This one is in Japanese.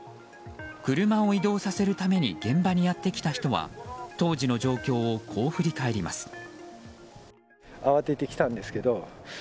車を移動させるために現場にやってきた人は当時の状況をこう振り返ります。